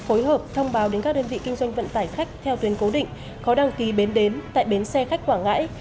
phối hợp thông báo đến các đơn vị kinh doanh vận tải khách theo tuyến cố định có đăng ký bến đến tại bến xe khách quảng ngãi